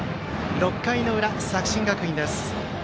６回の裏、作新学院です。